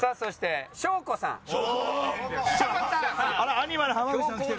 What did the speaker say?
アニマル浜口さん来てる。